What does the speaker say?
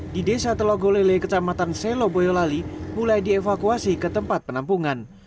di desa telago lele kecamatan seloboyolali mulai dievakuasi ke tempat penampungan